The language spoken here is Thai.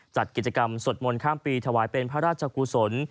จัดกิจกรรมสวดมนต์ข้ามปีถวายเป็นพระราชกุศล